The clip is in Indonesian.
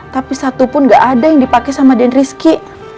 tapi satupun nggak ada yang dipakai sama den rizky